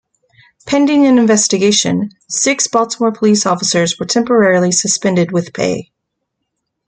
Pending an investigation, six Baltimore police officers were temporarily suspended with pay.